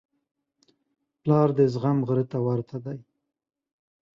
پلار د زغم غره ته ورته دی.